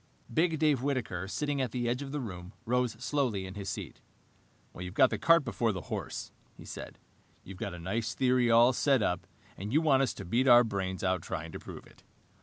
Big Dave Whitaker, sitting at the edge of the room, rose slowly in his seat. "You've got the cart before the horse," he said. "You've got a nice theory all set up and you want us to beat our brains out trying to prove it.